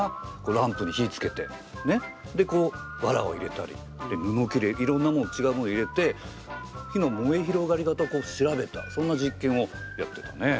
ランプに火つけてねっでこうわらを入れたりぬのきれいろんなもんちがうもの入れて火の燃え広がり方こう調べたそんな実験をやってたね。